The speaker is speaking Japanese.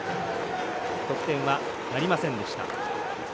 得点はなりませんでした。